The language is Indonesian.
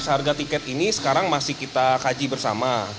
harga tiket ini sekarang masih kita kaji bersama